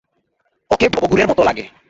ওকে ভবঘুরের মতো লাগে।